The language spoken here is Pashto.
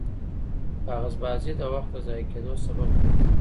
کاغذبازي د وخت د ضایع کېدو سبب ګرځي.